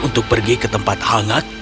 untuk pergi ke tempat hangat